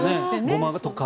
ゴマとか。